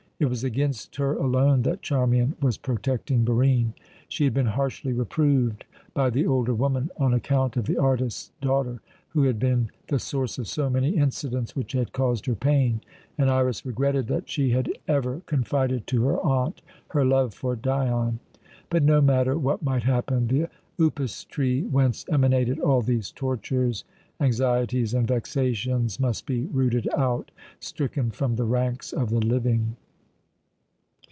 It was against her alone that Charmian was protecting Barine. She had been harshly reproved by the older woman on account of the artist's daughter, who had been the source of so many incidents which had caused her pain, and Iras regretted that she had ever confided to her aunt her love for Dion. But, no matter what might happen, the upas tree whence emanated all these tortures, anxieties, and vexations, must be rooted out stricken from the ranks of the living.